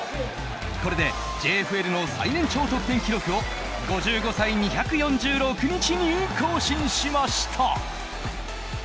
これでＪＦＬの最年長得点記録を５５歳２４６日に更新しました。